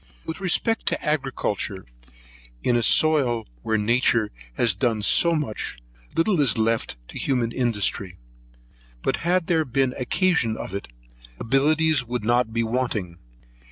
With respect to agriculture, in a soil where nature has done so much, little is left to human industry; but had there been occasion for it, abilities would not be wanting.